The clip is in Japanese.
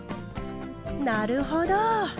なるほど！